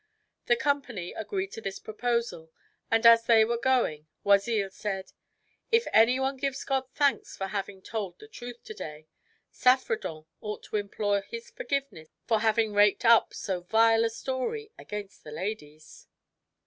The company agreed to this proposal, and as they were going Oisille said: "If any one gives God thanks for having told the truth to day, Saffredent ought to implore His forgiveness for having raked up so vile a story against the ladies."